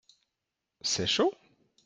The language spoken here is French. C’est chaud ?